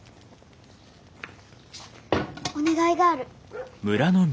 お願いがある。